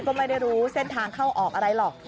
ก็ไม่ได้รู้เส้นทางเข้าออกอะไรหรอก